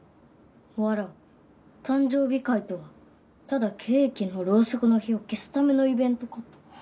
わらわ誕生日会とはただケーキのロウソクの火を消すためのイベントかと。